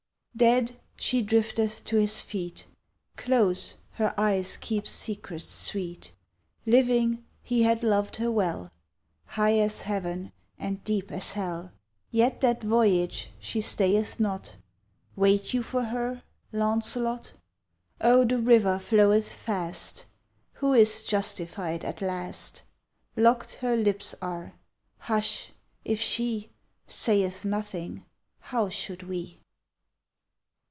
Dead, she drifteth to his feet. Close, her eyes keep secrets sweet. Living, he had loved her well. High as Heaven and deep as Hell. Yet that voyage she stayeth not. Wait you for her, Launcelot? Oh! the river floweth fast. Who is justified at last? Locked her lips are. Hush! If she Sayeth nothing, how should we?